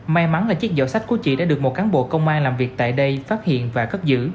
may mắn là chiếc giỏ sách của chị đã được một cán bộ công an làm việc tại đây phát hiện và cất giữ